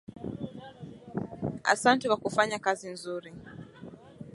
Asante kwa kufanya kazi nzuri.